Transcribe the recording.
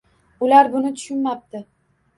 Ular buni tushunmabdi!